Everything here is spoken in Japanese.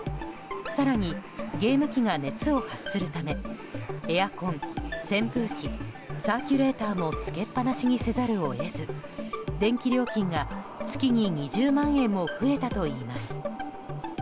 更に、ゲーム機が熱を発するためエアコン、扇風機サーキュレーターもつけっぱなしにせざるを得ず電気料金が月に２０万円も増えたといいます。